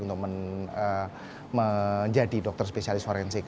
untuk menjadi dokter spesialis forensik